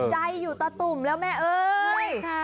ใจอยู่ตะตุ่มแล้วแม่เอ้ย